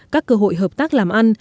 các cơ hội hợp tác làm ăn